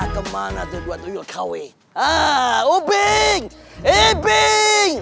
kemana kedua dua kau eh ah ubin ibing